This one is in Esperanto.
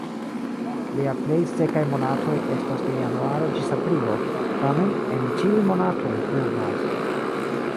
Lia plej sekaj monatoj estas de januaro ĝis aprilo, tamen, en ĉiuj monatoj pluvas.